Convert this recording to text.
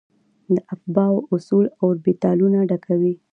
د افباؤ اصول اوربیتالونه ډکوي.